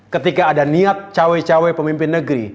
ketika ada niat cawe cawe pemimpin negeri